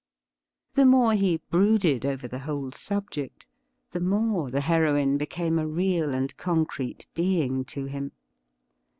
The more he brooded over the whole subject, the more the heroine became a real and concrete being to him.